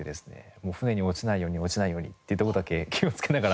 もう常に落ちないように落ちないようにっていうとこだけ気をつけながら。